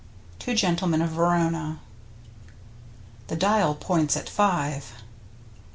— Two Gentlemen of Verona. The dial points at five.